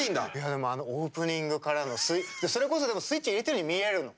でも、あのオープニングからの、それこそスイッチ入れてるように見えるの。